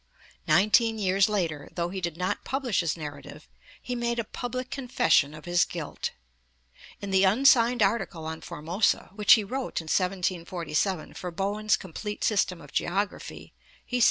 Nineteen years later, though he did not publish his narrative, he made a public confession of his guilt. In the unsigned article on Formosa, which he wrote in 1747 for Bowen's Complete System of Geography (ii.